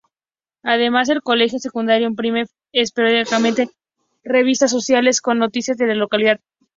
Además, el Colegio Secundario imprime esporádicamente revistas sociales con noticias de la localidad.